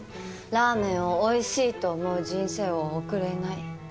ラーメンを美味しいと思う人生を送れない。